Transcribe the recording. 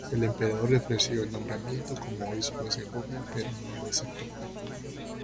El emperador le ofreció el nombramiento como obispo de Segovia, pero no lo aceptó.